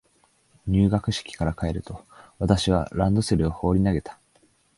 入学式から帰ると、私はランドセルを放り投げた。